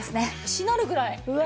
しなるぐらい。